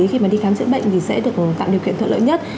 khi mà đi khám chữa bệnh thì sẽ được tạo điều kiện thuận lợi nhất